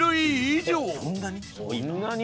そんなに！？